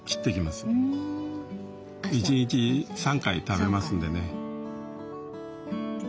１日３回食べますんでね。